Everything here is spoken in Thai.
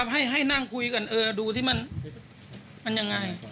ให้นั่งคุยกันเออดูสิมันยังไง